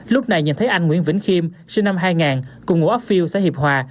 lúc này nhìn thấy anh nguyễn vĩnh khiêm sinh năm hai nghìn cùng ngũ ấp phiêu xã hiệp hòa